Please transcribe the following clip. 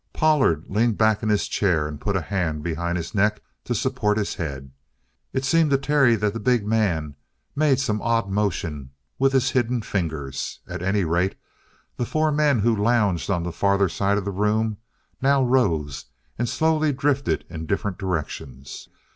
Pollard leaned back in his chair and put a hand behind his neck to support his head. It seemed to Terry that the big man made some odd motion with his hidden fingers. At any rate, the four men who lounged on the farther side of the room now rose and slowly drifted in different directions.